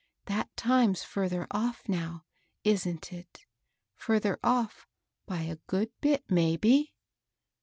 That time's further off now, — isn't it ?— fiirther off, by a good bit, maybe."